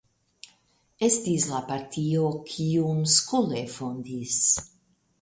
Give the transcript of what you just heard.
Estis la partio, kiun Skule fondis.